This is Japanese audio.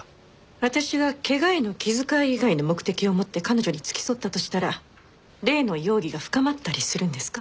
私が怪我への気遣い以外の目的を持って彼女に付き添ったとしたら例の容疑が深まったりするんですか？